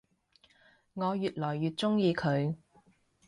我愈來愈鍾意佢